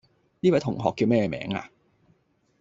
呢位同學叫咩名呀?